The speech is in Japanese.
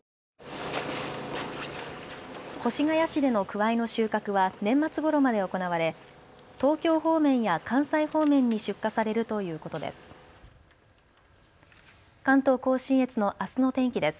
越谷市でのくわいの収穫は年末ごろまで行われ東京方面や関西方面に出荷されるということです。